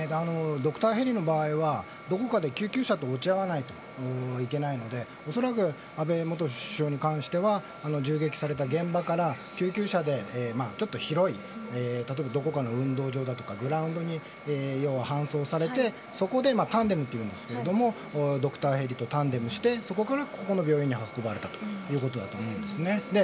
ドクターヘリの場合はどこかで救急車で落ち合わないといけないので恐らく安倍元首相に関しては銃撃された現場から救急車で広い例えばどこかの運動場だとかグラウンドに搬送されてそこでタンデムというんですけれどもドクターヘリとタンデムしてそれから、ここの病院に運ばれたということだと思います。